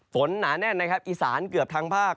ฝนหนาแน่นอิสานเกือบทางภาค